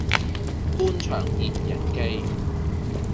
官場現形記